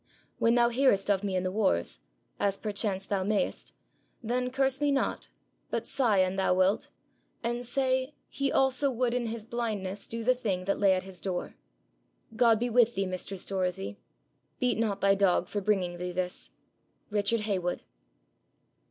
When thou hearest of me in the Wars, as perchance thou mayest, then curse me not, but sigh an thou wilt, and say, he also would in his Blindness do the Thing that lay at his Door. God be with thee, mistress Dorothy. Beat not thy Dog for bringing thee this. 'RICHARD HEYWOOD.'